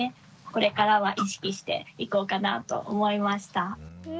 これからは意識していこうかなと思いました。